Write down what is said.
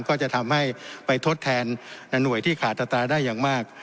ก็จะทำให้ไปทดแทนหน่วยที่ขาดอัตราได้อย่างมาก